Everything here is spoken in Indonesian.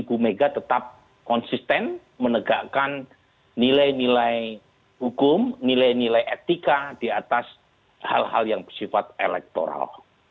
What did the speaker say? ibu mega tetap konsisten menegakkan nilai nilai hukum nilai nilai etika di atas hal hal yang bersifat elektoral